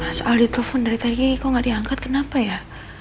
mas aldi telepon dari tadi kok nggak diangkat kenapa ya